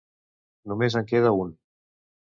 Només en queda un.